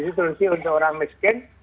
resipusi untuk orang miskin